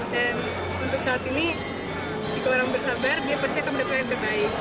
dan untuk saat ini jika orang bersabar dia pasti akan mendapatkan yang terbaik